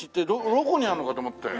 ろこにあるのかと思ったよ。